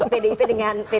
pdip dengan p tiga